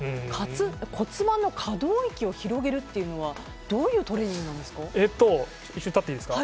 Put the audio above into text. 骨盤の可動域を広げるというのはどういうトレーニングなんですか。